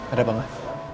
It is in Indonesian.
ada apa gak